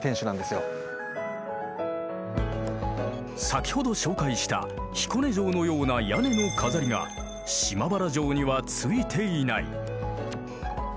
先ほど紹介した彦根城のような屋根の飾りが島原城には付いていない。